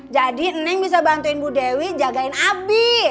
jadi neng bisa bantuin bu dewi jagain abi